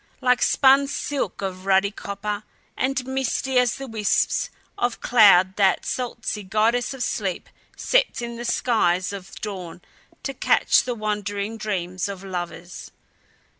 Like spun silk of ruddy copper; and misty as the wisps of cloud that Soul'tze, Goddess of Sleep, sets in the skies of dawn to catch the wandering dreams of lovers.